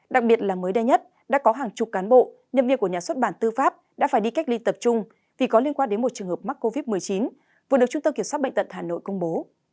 đặc biệt là mới đây nhất đã có hàng chục cán bộ nhân viên của nhà xuất bản tư pháp đã phải đi cách ly tập trung vì có liên quan đến một trường hợp mắc covid một mươi chín vừa được trung tâm kiểm soát bệnh tật hà nội công bố